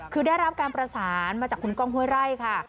คือได้รับการประสานมาจากคุณก้องห้วยไร่ค่ะ